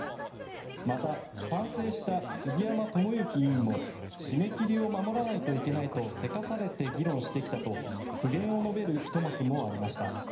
また、賛成した杉山智之委員も締め切りを守らないといけないとせかされて議論してきたと苦言を述べるひと幕もありました。